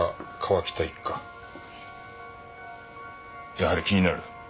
やはり気になる。